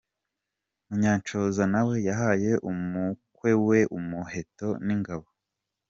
Munyanshoza nawe yahaye umukwe we umuheto n’ingabo.